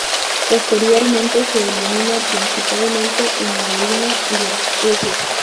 Posteriormente se elimina principalmente en la orina y las heces.